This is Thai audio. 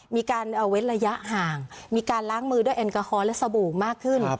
มีการเว้นระยะห่างมีการล้างมือด้วยแอลกอฮอลและสบู่มากขึ้น